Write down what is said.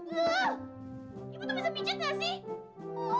gah ibu tuh bisa pijet gak sih